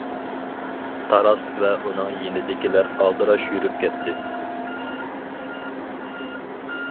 تاراس ۋە ئۇنىڭ يېنىدىكىلەر ئالدىراش يۈرۈپ كەتتى.